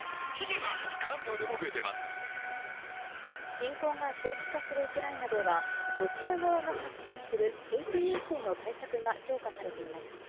侵攻が長期化するウクライナではロシア側が発信するフェイクニュースへの対策が強化されています。